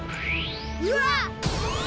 うわっ！